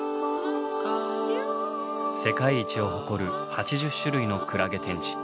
世界一を誇る８０種類のクラゲ展示。